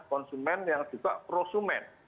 konsumen yang juga prosumen